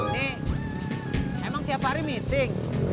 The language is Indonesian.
ini emang tiap hari meeting